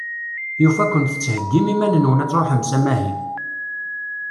Yufa-ken tettheggim iman-nwen ad truḥem s amahil.